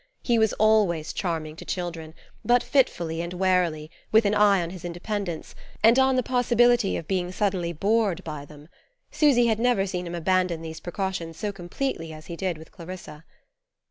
He was always charming to children, but fitfully and warily, with an eye on his independence, and on the possibility of being suddenly bored by them; Susy had never seen him abandon these precautions so completely as he did with Clarissa.